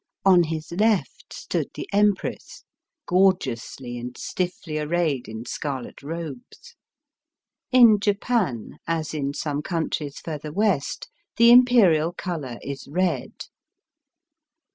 On hi^ left stood the Empress, gorgeously and stiflBy arrayed in scarlet robes. In Japan, as in some countries further West, the Imperial colour is red.